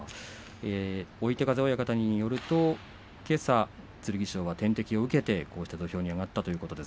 追手風親方によるとけさ剣翔は点滴を受けてこうして土俵に上がったということです